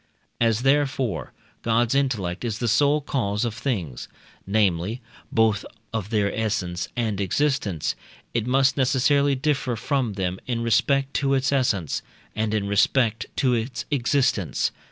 As, therefore, God's intellect is the sole cause of things, namely, both of their essence and existence, it must necessarily differ from them in respect to its essence, and in respect to its existence.